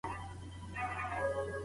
خصوصي پوهنتون بې دلیله نه تړل کیږي.